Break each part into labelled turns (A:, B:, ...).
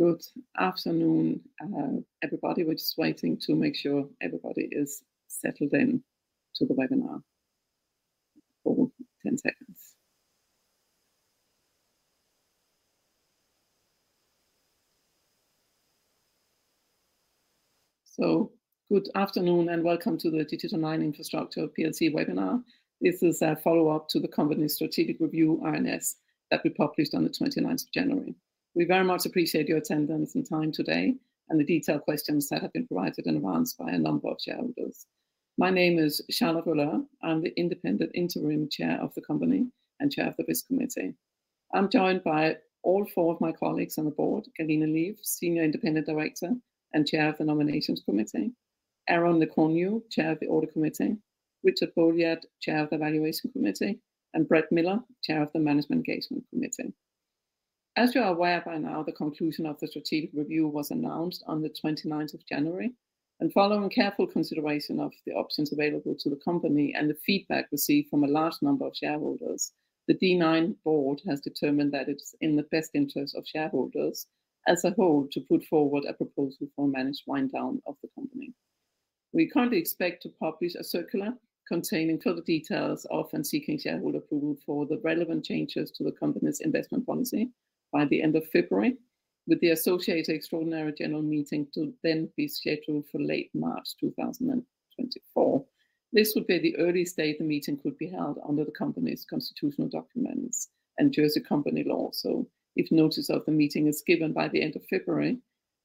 A: Good afternoon, everybody. We're just waiting to make sure everybody is settled in to the webinar for ten seconds. So good afternoon, and welcome to the Digital 9 Infrastructure plc Webinar. This is a follow-up to the company's strategic review, RNS, that we published on the twenty-ninth of January. We very much appreciate your attendance and time today, and the detailed questions that have been provided in advance by a number of shareholders. My name is Charlotte Valeur. I'm the independent interim chair of the company and chair of the Risk Committee. I'm joined by all four of my colleagues on the board: Gailina Liew, Senior Independent Director and Chair of the Nominations Committee; Aaron Le Cornu, Chair of the Audit Committee; Richard Boléat, Chair of the Valuation Committee; and Brett Miller, Chair of the Management Engagement Committee. As you are aware by now, the conclusion of the strategic review was announced on the twenty-ninth of January, and following careful consideration of the options available to the company and the feedback received from a large number of shareholders, the D9 board has determined that it's in the best interest of shareholders as a whole to put forward a proposal for managed wind down of the company. We currently expect to publish a circular containing further details of and seeking shareholder approval for the relevant changes to the company's investment policy by the end of February, with the associated Extraordinary General Meeting to then be scheduled for late March two thousand and twenty-four. This would be the earliest date the meeting could be held under the company's constitutional documents and Jersey company law. So if notice of the meeting is given by the end of February,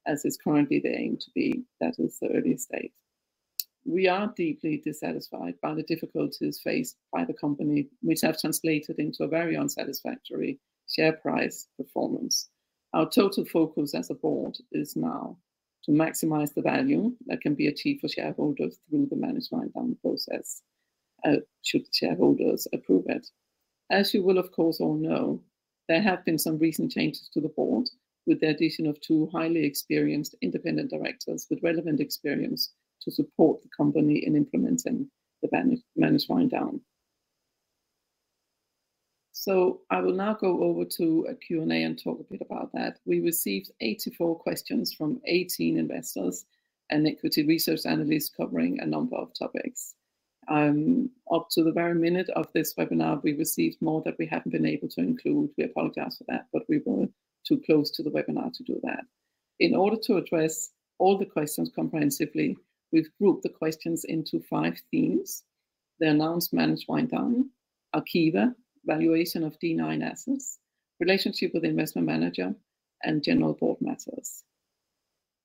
A: as is currently the aim to be, that is the earliest date. We are deeply dissatisfied by the difficulties faced by the company, which have translated into a very unsatisfactory share price performance. Our total focus as a board is now to maximize the value that can be achieved for shareholders through the managed wind down process, should the shareholders approve it. As you will, of course, all know, there have been some recent changes to the board, with the addition of two highly experienced independent directors with relevant experience to support the company in implementing the managed wind down. So I will now go over to a Q&A and talk a bit about that. We received 84 questions from 18 investors and equity research analysts covering a number of topics. Up to the very minute of this webinar, we received more that we haven't been able to include. We apologize for that, but we were too close to the webinar to do that. In order to address all the questions comprehensively, we've grouped the questions into five themes: the announced managed wind down, Arqiva, valuation of D9 assets, relationship with the investment manager, and general board matters.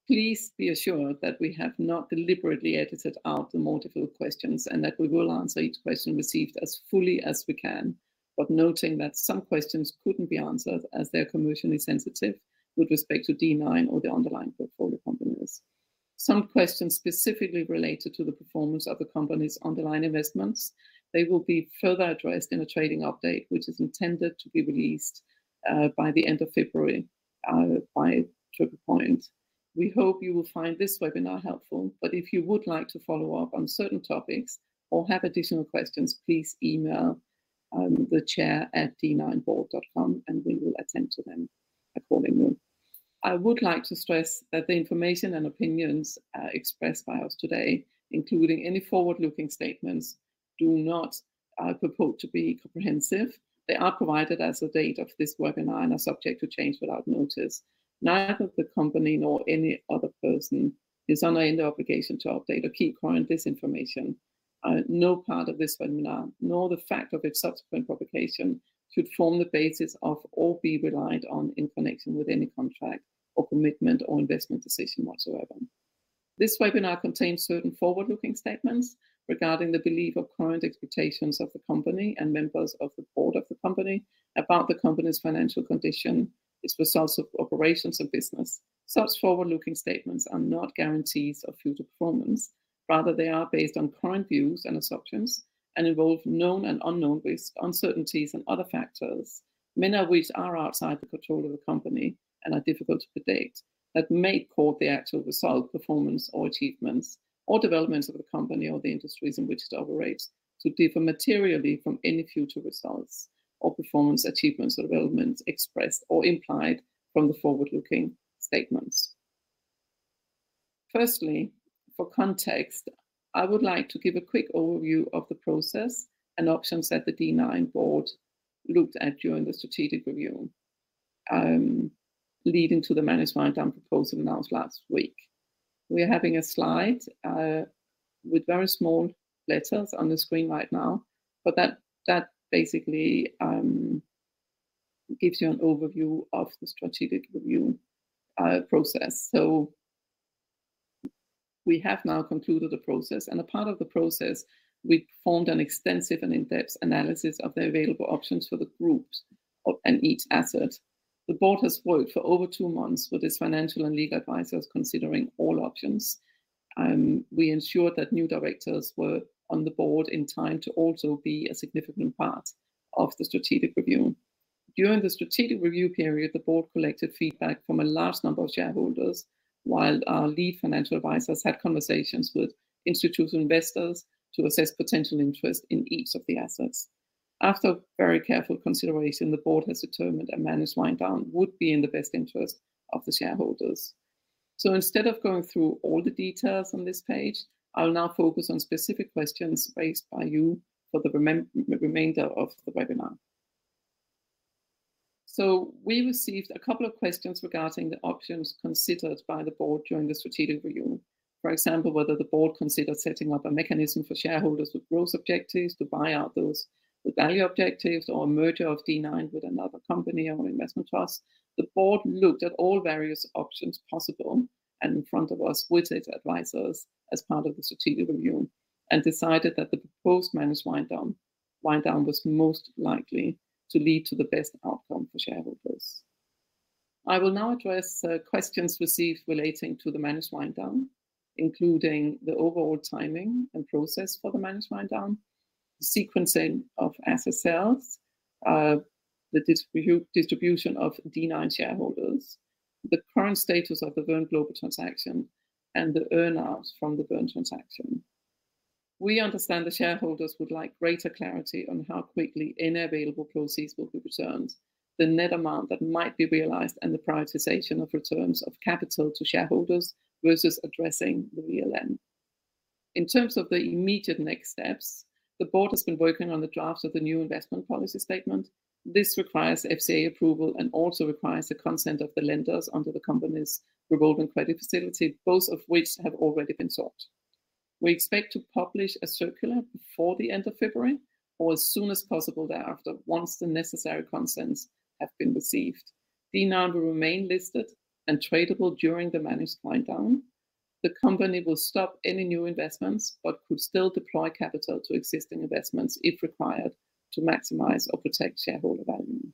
A: Please be assured that we have not deliberately edited out the multiple questions, and that we will answer each question received as fully as we can, but noting that some questions couldn't be answered as they're commercially sensitive with respect to D9 or the underlying portfolio companies. Some questions specifically related to the performance of the company's underlying investments. They will be further addressed in a trading update, which is intended to be released by the end of February by Triple Point. We hope you will find this webinar helpful, but if you would like to follow up on certain topics or have additional questions, please email the chair at d9board.com, and we will attend to them accordingly. I would like to stress that the information and opinions expressed by us today, including any forward-looking statements, do not purport to be comprehensive. They are provided as of the date of this webinar and are subject to change without notice. Neither the company nor any other person is under any obligation to update or keep current this information. No part of this webinar, nor the fact of its subsequent publication, should form the basis of or be relied on in connection with any contract or commitment or investment decision whatsoever. This webinar contains certain forward-looking statements regarding the belief or current expectations of the company and members of the board of the company about the company's financial condition, its results of operations and business. Such forward-looking statements are not guarantees of future performance. Rather, they are based on current views and assumptions and involve known and unknown risks, uncertainties and other factors, many of which are outside the control of the company and are difficult to predict, that may cause the actual results, performance or achievements or developments of the company or the industries in which it operates to differ materially from any future results or performance achievements or developments expressed or implied from the forward-looking statements. Firstly, for context, I would like to give a quick overview of the process and options that the D9 board looked at during the strategic review, leading to the managed wind down proposal announced last week. We are having a slide with very small letters on the screen right now, but that basically gives you an overview of the strategic review process. So we have now concluded the process, and a part of the process, we performed an extensive and in-depth analysis of the available options for the group of and each asset. The board has worked for over two months with its financial and legal advisors, considering all options. We ensured that new directors were on the board in time to also be a significant part of the strategic review. During the strategic review period, the board collected feedback from a large number of shareholders, while our lead financial advisors had conversations with institutional investors to assess potential interest in each of the assets.... After very careful consideration, the board has determined a managed wind down would be in the best interest of the shareholders. So instead of going through all the details on this page, I will now focus on specific questions raised by you for the remainder of the webinar. So we received a couple of questions regarding the options considered by the board during the strategic review. For example, whether the board considered setting up a mechanism for shareholders with growth objectives to buy out those with value objectives, or a merger of D9 with another company or investment trust. The board looked at all various options possible and in front of us with its advisors as part of the strategic review, and decided that the proposed managed wind down was most likely to lead to the best outcome for shareholders. I will now address questions received relating to the managed wind down, including the overall timing and process for the managed wind down, the sequencing of asset sales, the distribution of D9 shareholders, the current status of the Verne Global transaction, and the earn-outs from the Verne transaction. We understand the shareholders would like greater clarity on how quickly any available proceeds will be returned, the net amount that might be realized, and the prioritization of returns of capital to shareholders versus addressing the VLN. In terms of the immediate next steps, the board has been working on the draft of the new investment policy statement. This requires FCA approval and also requires the consent of the lenders under the company's revolving credit facility, both of which have already been sought. We expect to publish a circular before the end of February or as soon as possible thereafter, once the necessary consents have been received. D9 will remain listed and tradable during the managed wind down. The company will stop any new investments, but could still deploy capital to existing investments if required to maximize or protect shareholder value.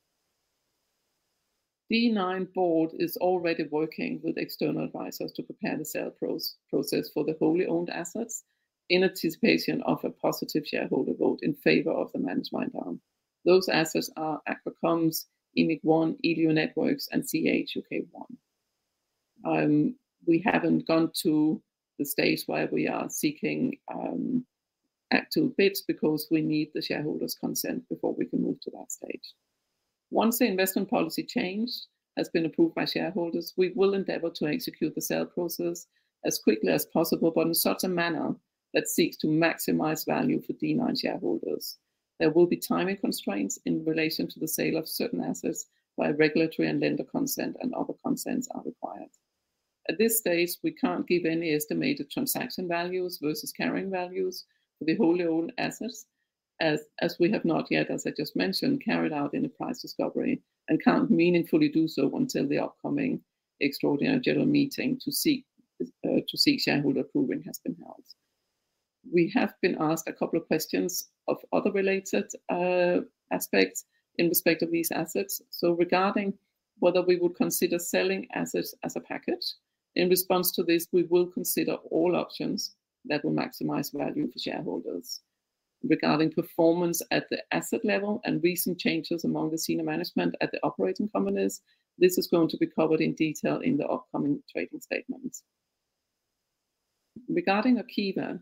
A: D9 board is already working with external advisors to prepare the sale process for the wholly owned assets in anticipation of a positive shareholder vote in favor of the managed wind down. Those assets are Aqua Comms, EMIC-1, Elio Networks, and SeaEdge UK1. We haven't gone to the stage where we are seeking actual bids because we need the shareholders' consent before we can move to that stage. Once the investment policy change has been approved by shareholders, we will endeavor to execute the sale process as quickly as possible, but in such a manner that seeks to maximize value for D9 shareholders. There will be timing constraints in relation to the sale of certain assets, where regulatory and lender consent and other consents are required. At this stage, we can't give any estimated transaction values versus carrying values for the wholly owned assets, as we have not yet, as I just mentioned, carried out any price discovery and can't meaningfully do so until the upcoming Extraordinary General Meeting to seek to seek shareholder approval has been held. We have been asked a couple of questions of other related aspects in respect of these assets. So regarding whether we would consider selling assets as a package, in response to this, we will consider all options that will maximize value for shareholders. Regarding performance at the asset level and recent changes among the senior management at the operating companies, this is going to be covered in detail in the upcoming trading statements. Regarding Arqiva,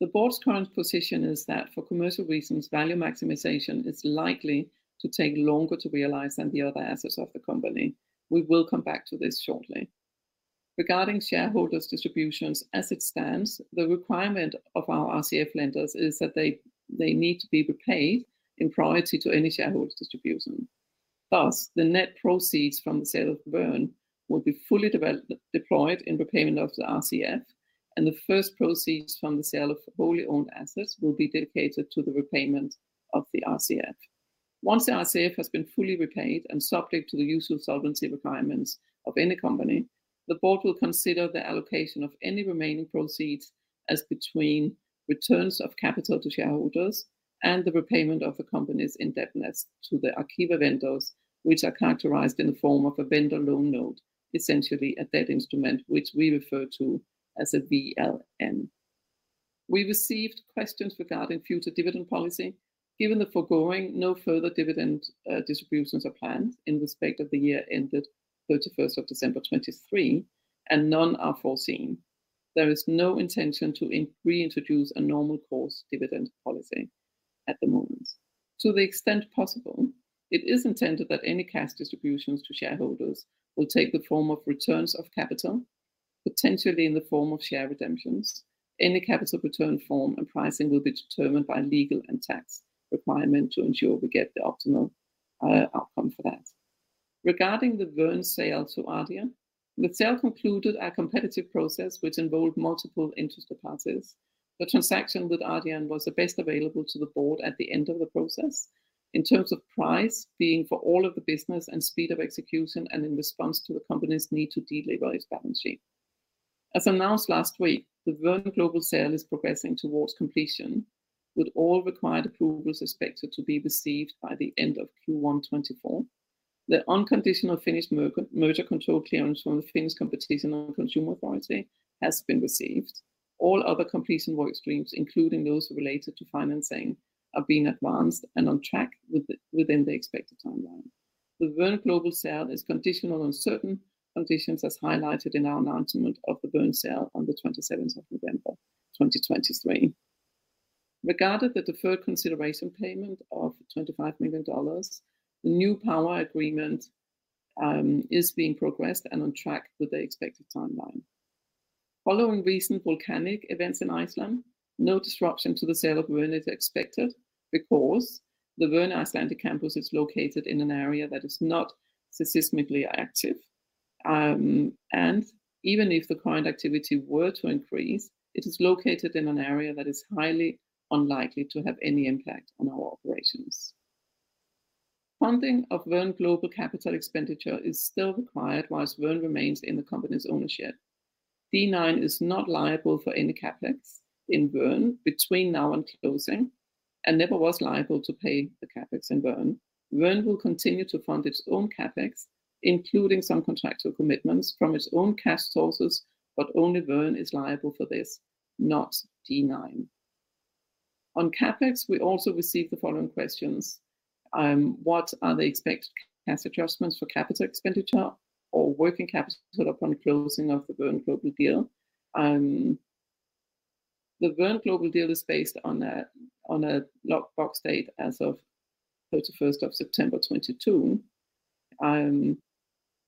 A: the board's current position is that for commercial reasons, value maximization is likely to take longer to realize than the other assets of the company. We will come back to this shortly. Regarding shareholders' distributions, as it stands, the requirement of our RCF lenders is that they, they need to be repaid in priority to any shareholder distribution. Thus, the net proceeds from the sale of Verne will be fully deployed in repayment of the RCF, and the first proceeds from the sale of wholly owned assets will be dedicated to the repayment of the RCF. Once the RCF has been fully repaid and subject to the usual solvency requirements of any company, the board will consider the allocation of any remaining proceeds as between returns of capital to shareholders and the repayment of the company's indebtedness to the Arqiva vendors, which are characterized in the form of a vendor loan note, essentially a debt instrument, which we refer to as a VLN. We received questions regarding future dividend policy. Given the foregoing, no further dividend distributions are planned in respect of the year ended thirty-first of December 2023, and none are foreseen. There is no intention to reintroduce a normal course dividend policy at the moment. To the extent possible, it is intended that any cash distributions to shareholders will take the form of returns of capital, potentially in the form of share redemptions. Any capital return form and pricing will be determined by legal and tax requirement to ensure we get the optimal outcome for that. Regarding the Verne sale to Ardian, the sale concluded our competitive process, which involved multiple interested parties. The transaction with Ardian was the best available to the board at the end of the process in terms of price, being for all of the business and speed of execution, and in response to the company's need to de-leverage balance sheet. As announced last week, the Verne Global sale is progressing towards completion, with all required approvals expected to be received by the end of Q1 2024. The unconditional Finnish merger control clearance from the Finnish Competition and Consumer Authority has been received. All other completion work streams, including those related to financing, are being advanced and on track within the expected timeline. The Verne Global sale is conditional on certain conditions, as highlighted in our announcement of the Verne sale on the 27th of November, 2023. Regarding the deferred consideration payment of $25 million, the new power agreement is being progressed and on track with the expected timeline. Following recent volcanic events in Iceland, no disruption to the sale of Verne is expected because the Verne Icelandic campus is located in an area that is not seismically active. Even if the current activity were to increase, it is located in an area that is highly unlikely to have any impact on our operations. Funding of Verne Global capital expenditure is still required whilst Verne remains in the company's ownership. D9 is not liable for any CapEx in Verne between now and closing, and never was liable to pay the CapEx in Verne. Verne will continue to fund its own CapEx, including some contractual commitments from its own cash sources, but only Verne is liable for this, not D9. On CapEx, we also received the following questions: What are the expected cash adjustments for capital expenditure or working capital upon closing of the Verne Global deal? The Verne Global deal is based on a lock box date as of thirty-first of September 2022.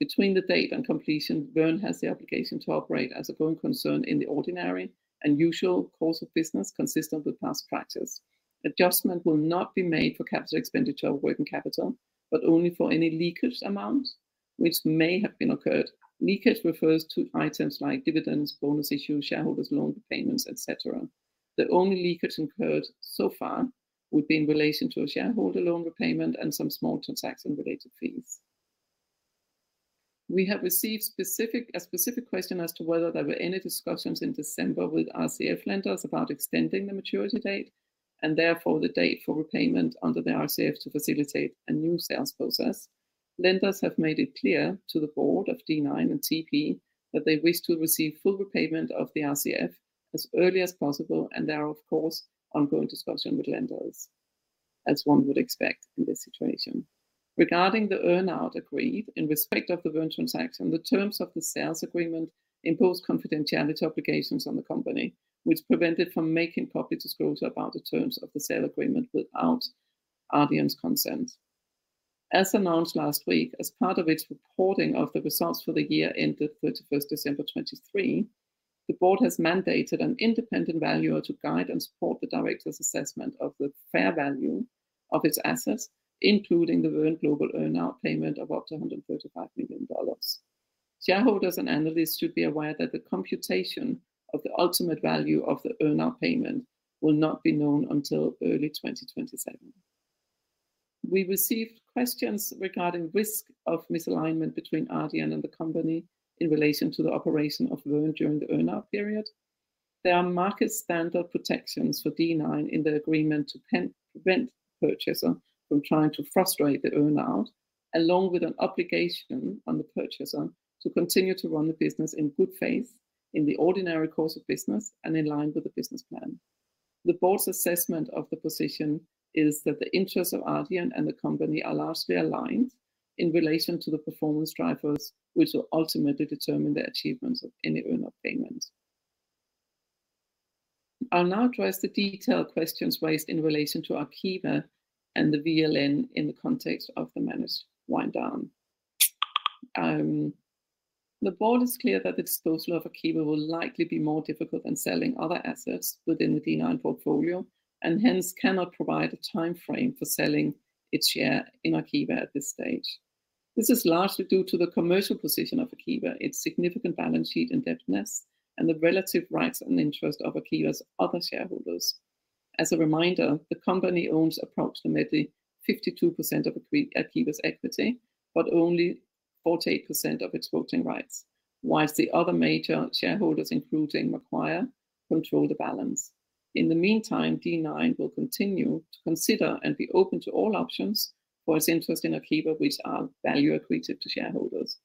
A: Between the date and completion, Verne has the obligation to operate as a going concern in the ordinary and usual course of business, consistent with past practice. Adjustment will not be made for capital expenditure or working capital, but only for any leakage amount which may have been occurred. Leakage refers to items like dividends, bonus issues, shareholder loan repayments, et cetera. The only leakage incurred so far would be in relation to a shareholder loan repayment and some small transaction-related fees. We have received a specific question as to whether there were any discussions in December with RCF lenders about extending the maturity date, and therefore the date for repayment under the RCF to facilitate a new sales process. Lenders have made it clear to the board of D9 and TP that they wish to receive full repayment of the RCF as early as possible, and there are, of course, ongoing discussions with lenders, as one would expect in this situation. Regarding the earn-out agreed in respect of the Verne transaction, the terms of the sales agreement impose confidentiality obligations on the company, which prevent it from making public disclosures about the terms of the sale agreement without Ardian's consent. As announced last week, as part of its reporting of the results for the year ended 31st December 2023, the board has mandated an independent valuer to guide and support the directors' assessment of the fair value of its assets, including the Verne Global earn-out payment of up to $135 million. Shareholders and analysts should be aware that the computation of the ultimate value of the earn-out payment will not be known until early 2027. We received questions regarding risk of misalignment between Ardian and the company in relation to the operation of Verne during the earn-out period. There are market standard protections for D9 in the agreement to prevent the purchaser from trying to frustrate the earn-out, along with an obligation on the purchaser to continue to run the business in good faith in the ordinary course of business and in line with the business plan. The board's assessment of the position is that the interests of Ardian and the company are largely aligned in relation to the performance drivers, which will ultimately determine the achievements of any earn-out payments. I'll now address the detailed questions raised in relation to Arqiva and the VLN in the context of the managed wind down. The board is clear that the disposal of Arqiva will likely be more difficult than selling other assets within the D9 portfolio, and hence cannot provide a timeframe for selling its share in Arqiva at this stage. This is largely due to the commercial position of Arqiva, its significant balance sheet indebtedness, and the relative rights and interest of Arqiva's other shareholders. As a reminder, the company owns approximately 52% of Arqiva's equity, but only 48% of its voting rights, whilst the other major shareholders, including Macquarie, control the balance. In the meantime, D9 will continue to consider and be open to all options for its interest in Arqiva, which are value accretive to shareholders.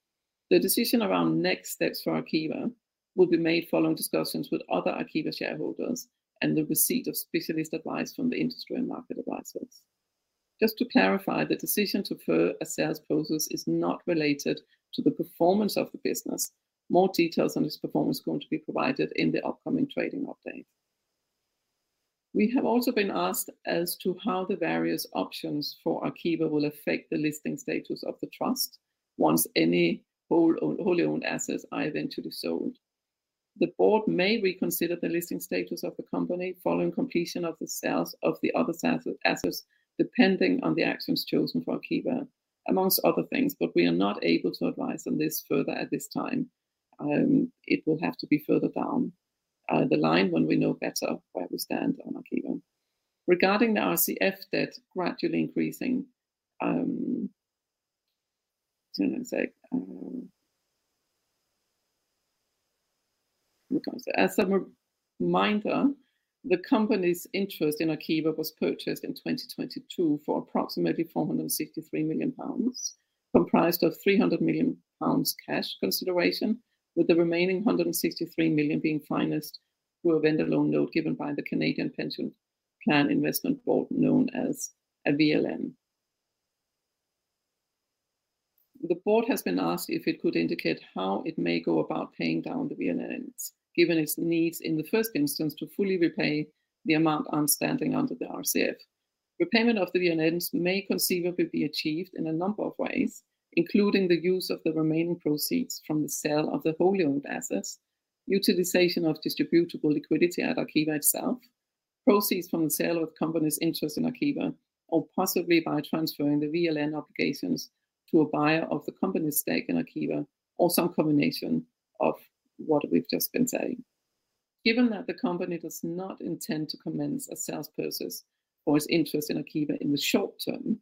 A: The decision around next steps for Arqiva will be made following discussions with other Arqiva shareholders and the receipt of specialist advice from the industry and market advisors. Just to clarify, the decision to spurn a sales process is not related to the performance of the business. More details on this performance are going to be provided in the upcoming trading update. We have also been asked as to how the various options for Arqiva will affect the listing status of the trust once any wholly owned assets are eventually sold. The board may reconsider the listing status of the company following completion of the sales of the other assets, depending on the actions chosen for Arqiva, among other things, but we are not able to advise on this further at this time. It will have to be further down the line when we know better where we stand on Arqiva. Regarding the RCF debt gradually increasing... As a reminder, the company's interest in Arqiva was purchased in 2022 for approximately 463 million pounds, comprised of 300 million pounds cash consideration, with the remaining 163 million being financed through a vendor loan note given by the Canadian Pension Plan Investment Board known as a VLN. The board has been asked if it could indicate how it may go about paying down the VLNs, given its needs in the first instance, to fully repay the amount outstanding under the RCF. Repayment of the VLNs may conceivably be achieved in a number of ways, including the use of the remaining proceeds from the sale of the wholly-owned assets, utilization of distributable liquidity at Arqiva itself, proceeds from the sale of the company's interest in Arqiva, or possibly by transferring the VLN obligations to a buyer of the company's stake in Arqiva, or some combination of what we've just been saying. Given that the company does not intend to commence a sales process for its interest in Arqiva in the short term,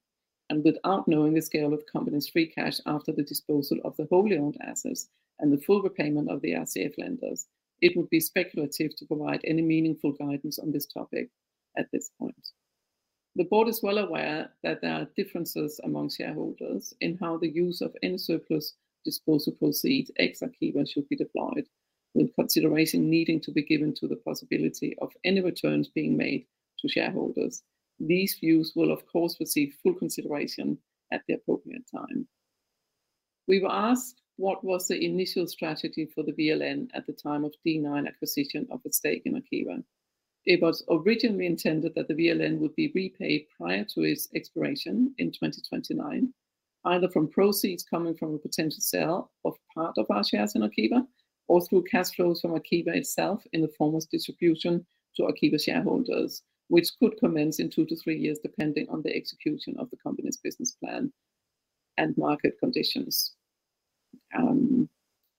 A: and without knowing the scale of the company's free cash after the disposal of the wholly-owned assets and the full repayment of the RCF lenders, it would be speculative to provide any meaningful guidance on this topic at this point. The board is well aware that there are differences among shareholders in how the use of any surplus disposal proceeds ex Arqiva should be deployed, with consideration needing to be given to the possibility of any returns being made to shareholders. These views will, of course, receive full consideration at the appropriate time. We were asked what was the initial strategy for the VLN at the time of D9 acquisition of its stake in Arqiva. It was originally intended that the VLN would be repaid prior to its expiration in 2029, either from proceeds coming from a potential sale of part of our shares in Arqiva or through cash flows from Arqiva itself in the form of distribution to Arqiva shareholders, which could commence in 2-3 years, depending on the execution of the company's business plan and market conditions.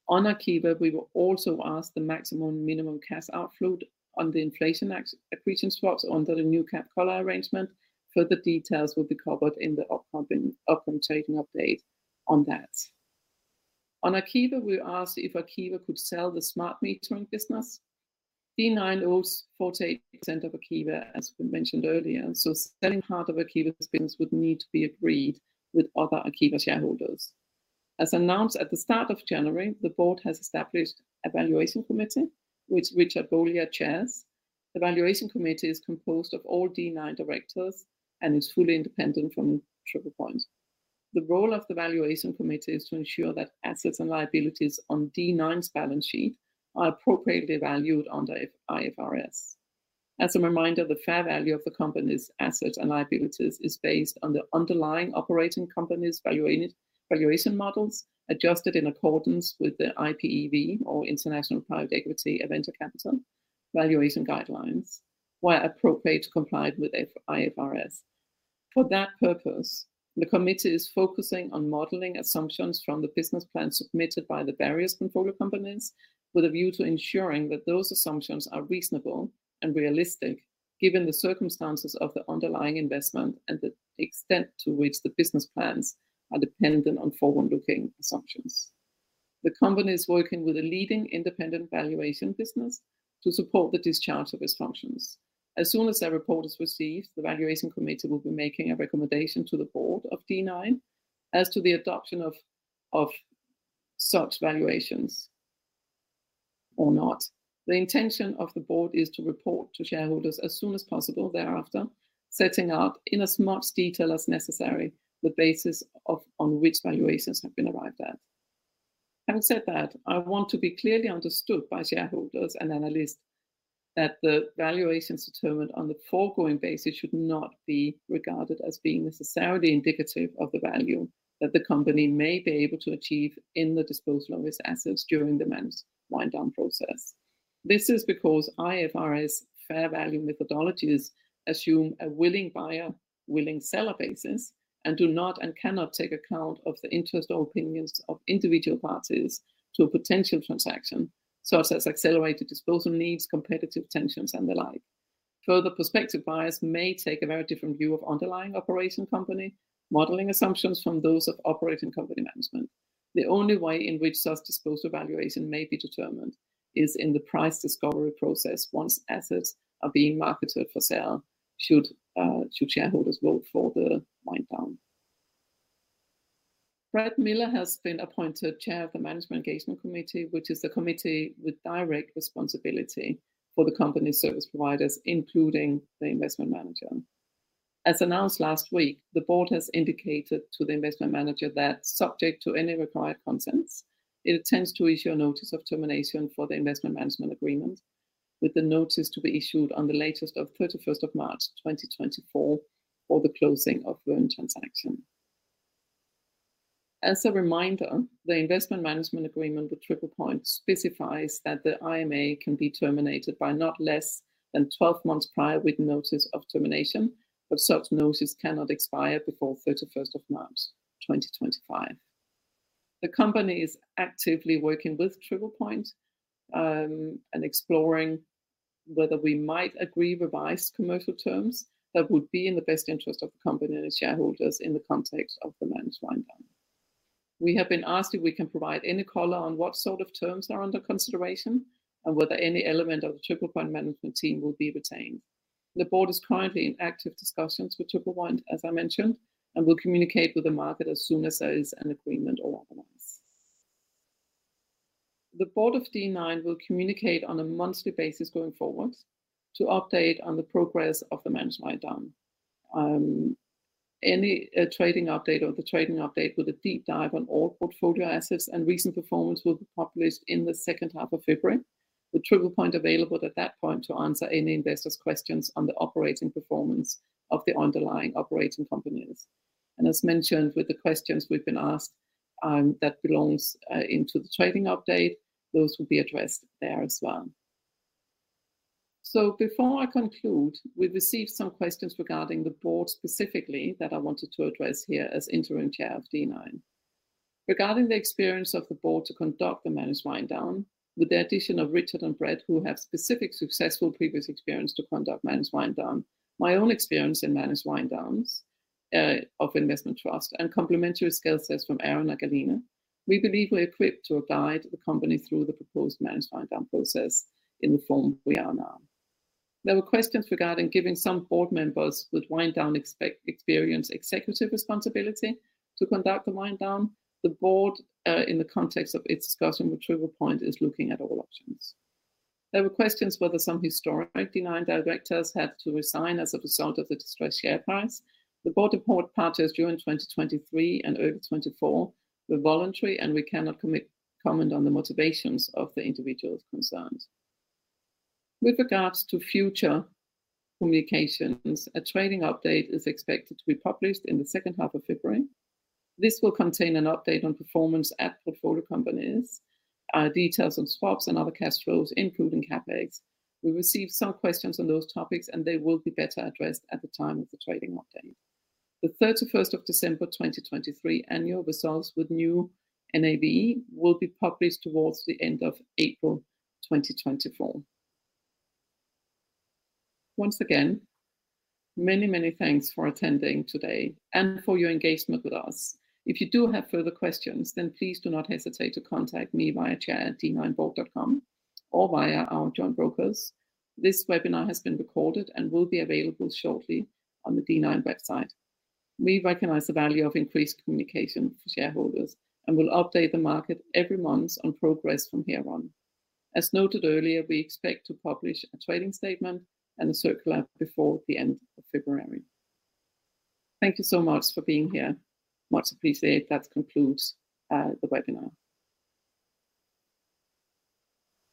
A: On Arqiva, we were also asked the maximum, minimum cash outflow on the inflation accretion swaps under the new cap collar arrangement. Further details will be covered in the upcoming trading update on that. On Arqiva, we were asked if Arqiva could sell the smart metering business. D9 owns 48% of Arqiva, as we mentioned earlier, so selling part of Arqiva's business would need to be agreed with other Arqiva shareholders. As announced at the start of January, the board has established a valuation committee, which Richard Boléat chairs. The valuation committee is composed of all D9 directors and is fully independent from Triple Point. The role of the valuation committee is to ensure that assets and liabilities on D9's balance sheet are appropriately valued under IFRS. As a reminder, the fair value of the company's assets and liabilities is based on the underlying operating company's valuation models, adjusted in accordance with the IPEV, or International Private Equity and Venture Capital valuation guidelines, where appropriate, complied with IFRS. For that purpose, the committee is focusing on modeling assumptions from the business plan submitted by the various controlled companies, with a view to ensuring that those assumptions are reasonable and realistic, given the circumstances of the underlying investment and the extent to which the business plans are dependent on forward-looking assumptions. The company is working with a leading independent valuation business to support the discharge of its functions. As soon as their report is received, the valuation committee will be making a recommendation to the board of D9 as to the adoption of such valuations or not. The intention of the board is to report to shareholders as soon as possible thereafter, setting out in as much detail as necessary, the basis on which valuations have been arrived at. Having said that, I want to be clearly understood by shareholders and analysts that the valuations determined on the foregoing basis should not be regarded as being necessarily indicative of the value that the company may be able to achieve in the disposal of its assets during the managed wind down process. This is because IFRS fair value methodologies assume a willing buyer, willing seller basis, and do not and cannot take account of the interest or opinions of individual parties to a potential transaction, such as accelerated disposal needs, competitive tensions, and the like. Further prospective buyers may take a very different view of underlying operating company modeling assumptions from those of operating company management. The only way in which such disposal valuation may be determined is in the price discovery process once assets are being marketed for sale, should shareholders vote for the wind down. Brett Miller has been appointed Chair of the Management Engagement Committee, which is the committee with direct responsibility for the company's service providers, including the investment manager. As announced last week, the board has indicated to the investment manager that subject to any required consents, it intends to issue a notice of termination for the investment management agreement, with the notice to be issued on the latest of thirty-first of March, twenty twenty-four, or the closing of the Verne transaction. As a reminder, the investment management agreement with Triple Point specifies that the IMA can be terminated by not less than 12 months prior with notice of termination, but such notice cannot expire before thirty-first of March, 2025. The company is actively working with Triple Point, and exploring whether we might agree revised commercial terms that would be in the best interest of the company and its shareholders in the context of the managed wind down. We have been asked if we can provide any color on what sort of terms are under consideration and whether any element of the Triple Point management team will be retained. The board is currently in active discussions with Triple Point, as I mentioned, and will communicate with the market as soon as there is an agreement or otherwise.... The board of D9 will communicate on a monthly basis going forward to update on the progress of the managed wind down. The trading update with a deep dive on all portfolio assets and recent performance will be published in the second half of February, with Triple Point available at that point to answer any investors' questions on the operating performance of the underlying operating companies. As mentioned, with the questions we've been asked, that belongs into the trading update, those will be addressed there as well. Before I conclude, we've received some questions regarding the board specifically, that I wanted to address here as Interim Chair of D9. Regarding the experience of the board to conduct the managed wind down, with the addition of Richard and Brett, who have specific successful previous experience to conduct managed wind down, my own experience in managed wind downs, of investment trust and complementary skill sets from Aaron and Gailina, we believe we're equipped to guide the company through the proposed managed wind down process in the form we are now. There were questions regarding giving some board members with wind down experience, executive responsibility to conduct the wind down. The board, in the context of its discussion with Triple Point, is looking at all options. There were questions whether some historic D9 directors had to resign as a result of the distressed share price. The board departures during 2023 and early 2024 were voluntary, and we cannot comment on the motivations of the individuals concerned. With regards to future communications, a trading update is expected to be published in the second half of February. This will contain an update on performance at portfolio companies, details on swaps and other cash flows, including CapEx. We received some questions on those topics, and they will be better addressed at the time of the trading update. The 31st of December 2023 annual results with new NAV will be published towards the end of April 2024. Once again, many, many thanks for attending today and for your engagement with us. If you do have further questions, then please do not hesitate to contact me via chair@d9board.com or via our joint brokers. This webinar has been recorded and will be available shortly on the D9 website. We recognize the value of increased communication for shareholders and will update the market every month on progress from here on. As noted earlier, we expect to publish a trading statement and a circular before the end of February. Thank you so much for being here. Much appreciated. That concludes the webinar.